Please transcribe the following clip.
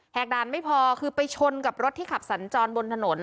กด่านไม่พอคือไปชนกับรถที่ขับสัญจรบนถนน